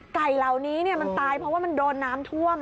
ไก่เหล่านี้มันตายเพราะว่ามันโดนน้ำท่วม